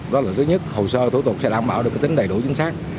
đó là thứ nhất hồ sơ thủ tục sẽ đảm bảo được tính đầy đủ chính xác